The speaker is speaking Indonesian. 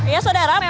terima kasih mbak